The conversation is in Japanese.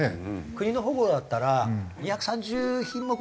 国の保護だったら２３０品目ぐらいかな？